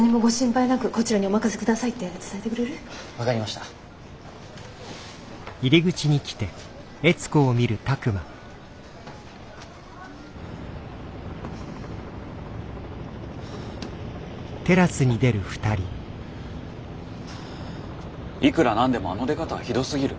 いくら何でもあの出方はひどすぎる。